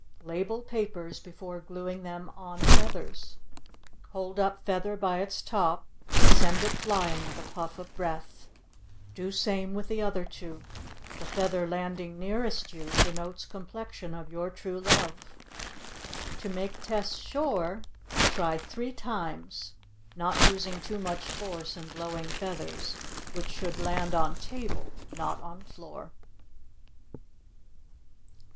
Label papers before gluing them on feathers. Hold up feather by its top and send it flying with a puff of breath. Do same with the other two; the feather landing nearest you denotes complexion of your true love. To make test sure, try three times, not using too much force in blowing feathers, which should land on table, not on floor.